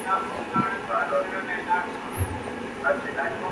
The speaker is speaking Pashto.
نه هغه ښکلي پخواني خلک په سترګو وینم،